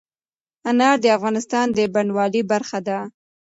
انار د افغانستان د بڼوالۍ برخه ده.